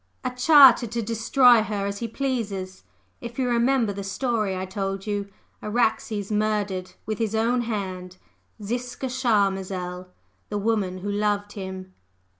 a charter to destroy her as he pleases? If you remember the story I told you, Araxes murdered with his own hand Ziska Charmazel the woman who loved him."